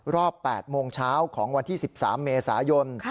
รอบ๘โมงเช้าของวันที่๑๓เมษายน